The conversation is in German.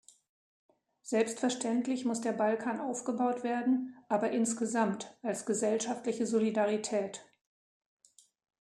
Selbstverständlich muss der Balkan aufgebaut werden, aber insgesamt, als gesellschaftliche Solidarität.